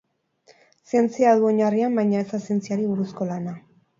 Zientzia du oinarrian baina ez da zientziari buruzko lana.